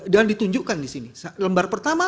dan ditunjukkan di sini lembar pertama